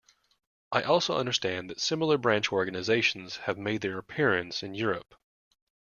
I also understand that similar branch organizations have made their appearance in Europe.